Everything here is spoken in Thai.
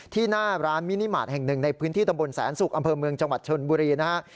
หน้าร้านมินิมาตรแห่งหนึ่งในพื้นที่ตำบลแสนสุกอำเภอเมืองจังหวัดชนบุรีนะฮะ